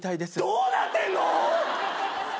どうなってんの！？